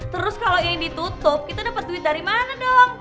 terus kalau ini ditutup kita dapat duit dari mana dong